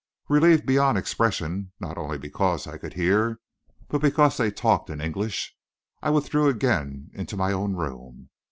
Relieved beyond expression, not only because I could hear, but because they talked in English, I withdrew again into my own room.